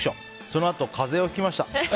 そのあと風邪をひきました。